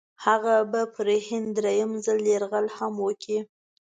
هغه به پر هند درېم ځل یرغل هم وکړي.